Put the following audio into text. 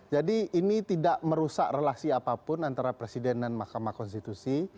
jadi ini tidak merusak relasi apapun antara presiden dan mahkamah konstitusi